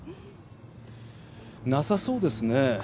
なさそうですね。